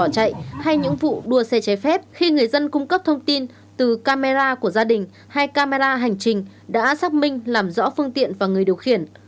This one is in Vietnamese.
các camera của gia đình hay camera hành trình đã xác minh làm rõ phương tiện và người điều khiển